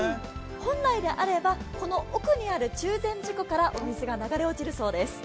本来であれば、この奥にある中禅寺湖からお水が流れ落ちるそうです。